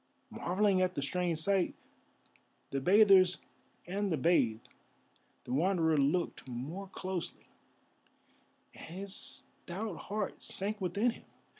Marvelling at the strange sight, the bathers and the bathed, the Wanderer looked more closely, and his stout heart sank within him.